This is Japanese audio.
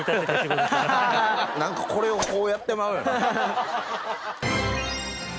何かこれをこうやってまうよね。